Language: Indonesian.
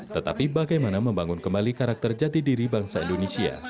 tetapi bagaimana membangun kembali karakter jati diri bangsa indonesia